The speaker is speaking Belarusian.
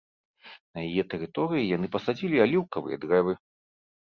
На яе тэрыторыі яны пасадзілі аліўкавыя дрэвы.